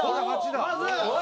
まず。